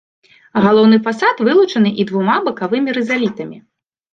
Галоўны фасад вылучаны і двумя бакавымі рызалітамі.